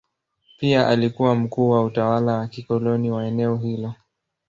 Pia alikuwa mkuu wa utawala wa kikoloni wa eneo hilo.